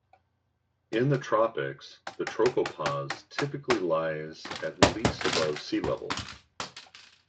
In the tropics, the tropopause typically lies at least above sea level.